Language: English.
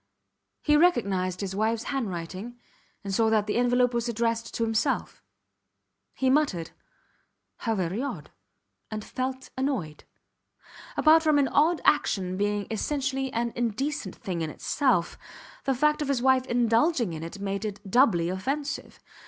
He recognized his wifes handwriting and saw that the envelope was addressed to himself. He muttered, How very odd, and felt annoyed. Apart from any odd action being essentially an indecent thing in itself, the fact of his wife indulging in it made it doubly offensive.